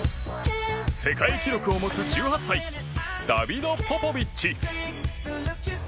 世界記録を持つ１８歳ダビド・ポポビッチ